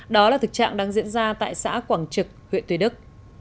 đó là thực trạng đang diễn ra tại xã quảng trực huyện tuy đức